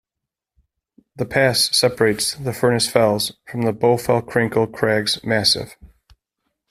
The pass separates the Furness Fells from the Bowfell-Crinkle Crags massif.